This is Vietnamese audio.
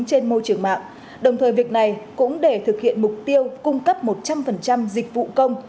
trên môi trường mạng đồng thời việc này cũng để thực hiện mục tiêu cung cấp một trăm linh dịch vụ công